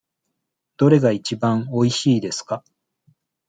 どれがいちばんおいしいですか。